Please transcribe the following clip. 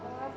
itu dia tuh